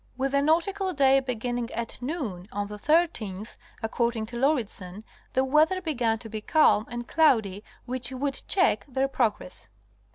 With the nautical day beginning at noon on the 13th according to Lauridsen the weather began to be calm and cloudy which would check their progress.